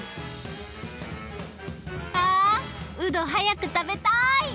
あうどはやくたべたい！